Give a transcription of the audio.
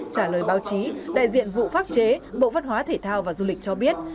trả lời báo chí đại diện vụ pháp chế bộ văn hóa thể thao và du lịch cho biết